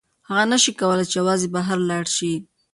هغه نشي کولی چې یوازې بهر لاړه شي.